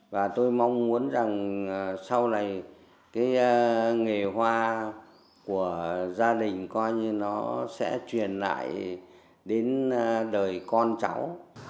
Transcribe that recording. và tôi mong muốn rằng sau này cái nghề hoa của gia đình coi như nó sẽ truyền lại đến đời con cháu